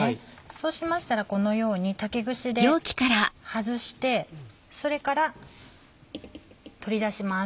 そうしましたらこのように竹串で外してそれから取り出します。